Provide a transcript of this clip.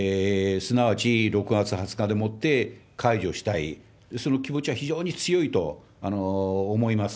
すなわち６月２０日でもって解除したい、その気持ちは非常に強いと思います。